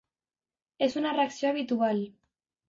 És una reacció habitual.